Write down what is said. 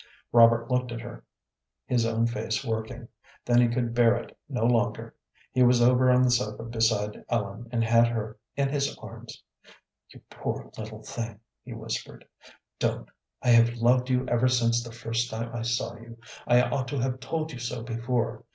Robert looked at her, his own face working, then he could bear it no longer. He was over on the sofa beside Ellen and had her in his arms. "You poor little thing," he whispered. "Don't. I have loved you ever since the first time I saw you. I ought to have told you so before.